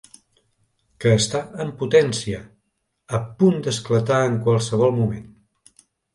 Que està en potència, a punt d'esclatar en qualsevol moment.